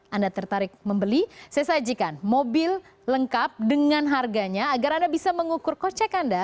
anda tertarik membeli saya sajikan mobil lengkap dengan harganya agar anda bisa mengukur kocek anda